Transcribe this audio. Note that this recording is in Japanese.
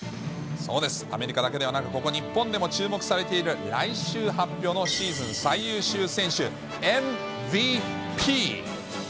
そうです、アメリカだけではなく、ここ、日本でも注目されている来週発表のシーズン最優秀選手、ＭＶＰ。